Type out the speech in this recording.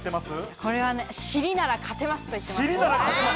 これは、尻なら勝てます！と言っています。